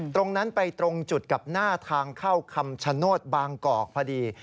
ตรงนั้นไปตรงจุดกับหน้าทางเข้าคำชโนธบางกอกพอดี